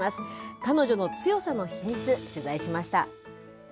彼女の強さの秘密、取材しました。